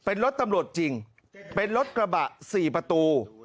เป็นรถตำรวจจริงเป็นรถกระบะ๔ประตู